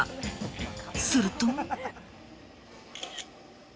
すると。